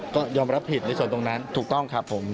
ก็ยอมรับผิดในส่วนตรงนั้นถูกต้องครับผม